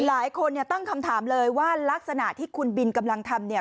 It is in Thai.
หลายคนเนี่ยตั้งคำถามเลยว่ารักษณะที่คุณบินกำลังทำเนี่ย